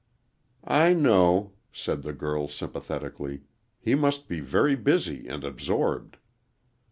"I know," said the girl, sympathetically. "He must be very busy and absorbed."